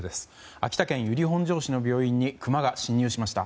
秋田県由利本荘市の病院にクマが侵入しました。